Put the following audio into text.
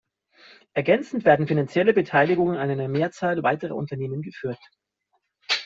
Ergänzend werden finanzielle Beteiligungen an einer Mehrzahl weiterer Unternehmen geführt.